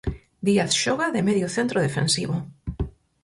Díaz xoga de medio centro defensivo.